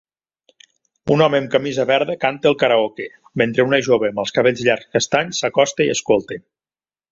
Un home amb camisa verda canta al karaoke, mentre una jove amb els cabells llargs castanys s'acosta i escolta